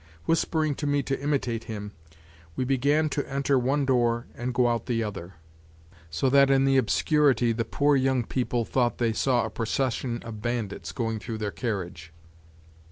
Whispering to me to imitate him, we began to enter one door and go out the other, so that in the obscurity the poor young people thought they saw a procession of bandits going through their carriage.